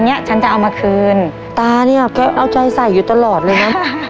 เนี้ยฉันจะเอามาคืนตาเนี่ยแกเอาใจใส่อยู่ตลอดเลยนะ